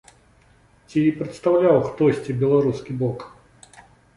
Ці прадстаўляў хтосьці беларускі бок?